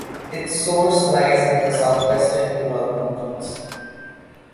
Its source lies in the south-western Ural Mountains.